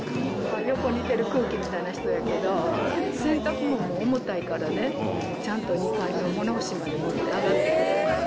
横にいてる空気みたいな人やけど、洗濯物が重たいからね、ちゃんと２階の物干しまで持って上がってくれる。